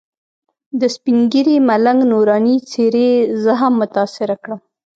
د سپین ږیري ملنګ نوراني څېرې زه هم متاثره کړم.